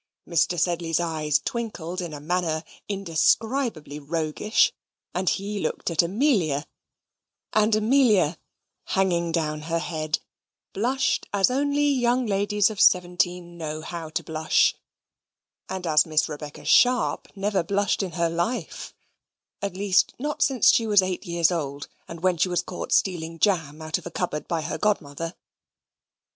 Mr. Sedley's eyes twinkled in a manner indescribably roguish, and he looked at Amelia; and Amelia, hanging down her head, blushed as only young ladies of seventeen know how to blush, and as Miss Rebecca Sharp never blushed in her life at least not since she was eight years old, and when she was caught stealing jam out of a cupboard by her godmother.